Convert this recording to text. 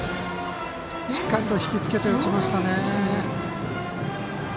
しっかりと引きつけて打ちましたね。